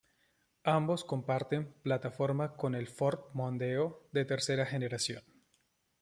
Ambos comparten plataforma con el Ford Mondeo de tercera generación.